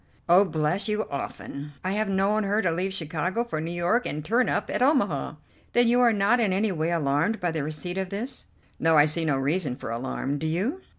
"Oh, bless you, often. I have known her to leave Chicago for New York and turn up at Omaha." "Then you are not in any way alarmed by the receipt of this?" "No, I see no reason for alarm; do you?"